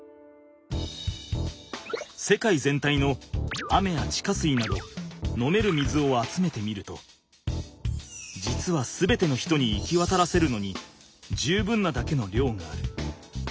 世界全体の雨や地下水など飲める水を集めてみると実は全ての人に行きわたらせるのに十分なだけの量がある。